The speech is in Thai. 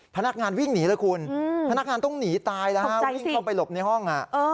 พนักงานวิ่งหนีเลยคุณพนักงานต้องหนีตายแล้วฮะวิ่งเข้าไปหลบในห้อง